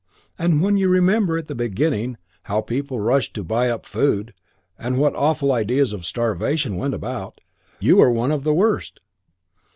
And when you remember at the beginning how people rushed to buy up food and what awful ideas of starvation went about; you were one of the worst."